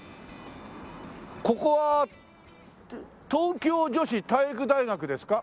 ここは東京女子体育大学ですか？